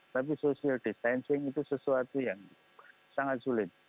tapi social distancing itu sesuatu yang sangat sulit